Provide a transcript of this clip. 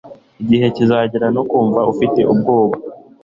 Igihe kizagera no kumva ufite ubwoba